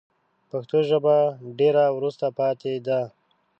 پښتو ژبه ډېره وروسته پاته ده